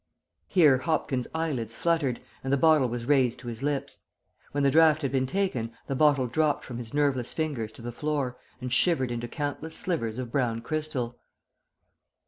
Here Hopkins' eyelids fluttered, and the bottle was raised to his lips. When the draught had been taken the bottle dropped from his nerveless fingers to the floor, and shivered into countless slivers of brown crystal.